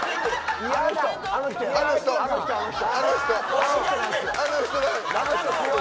あの人。